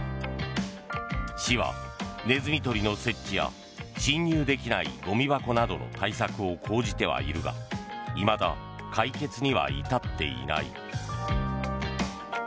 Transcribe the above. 市はネズミ捕りの設置や侵入できないゴミ箱などの対策を講じてはいるがいまだ解決には至っていない。